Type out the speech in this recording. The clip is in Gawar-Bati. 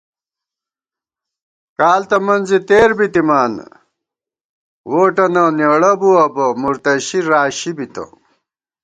کال تہ منزے تېر بِتِمان ووٹَنہ نېڑہ بُوَہ بہ مُرتَشی راشی بِتہ